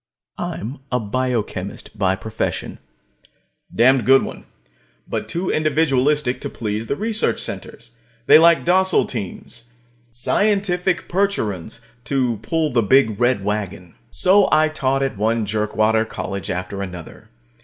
I'm a biochemist by profession. A damned good one, but too individualistic to please the big research centers. They like docile teams scientific Percherons to pull the big red wagon. So I taught at one jerkwater college after another.